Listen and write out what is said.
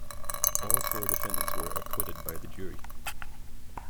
All four defendants were acquitted by the jury.